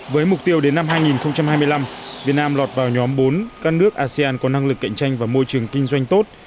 với mục tiêu đến năm hai nghìn hai mươi năm việt nam lọt vào nhóm bốn các nước asean có năng lực cạnh tranh và môi trường kinh doanh tốt